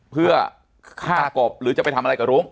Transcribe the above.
เพื่อฆ่ากบหรือจะไปทำอะไรกับรุ้ง